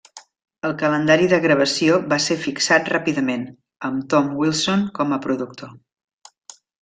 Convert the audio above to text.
El calendari de gravació va ser fixat ràpidament, amb Tom Wilson com a productor.